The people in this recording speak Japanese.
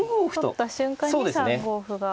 取った瞬間に３五歩が。